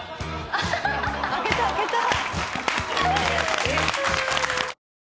開けた開けた。